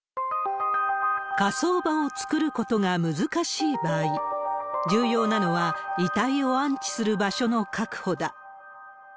火葬場を造ることが難しい場合、重要なのは遺体を安置する場所の確保だ。